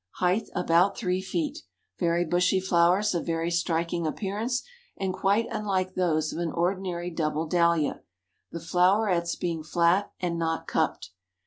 Height about three feet, very bushy flowers of very striking appearance and quite unlike those of an ordinary double Dahlia, the flowerets being flat and not cupped.